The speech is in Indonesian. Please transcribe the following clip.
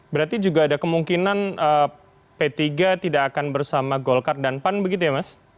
berarti juga ada kemungkinan p tiga tidak akan bersama golkar dan pan begitu ya mas